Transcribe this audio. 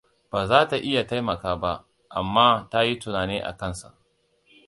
Ba za ta iya taimawa ba, amma ta yi tunani a kansa.